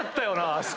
あそこ。